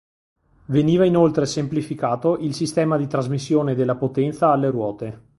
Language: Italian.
Veniva inoltre semplificato il sistema di trasmissione della potenza alle ruote.